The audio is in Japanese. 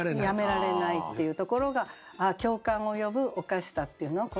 やめられないっていうところが共感を呼ぶおかしさっていうの？